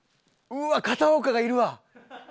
うわっ片岡がいるわ。